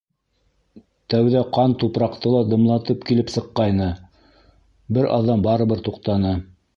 Тәүҙә ҡан тупраҡты ла дымлатып килеп сыҡҡайны, бер аҙҙан барыбер туҡтаны.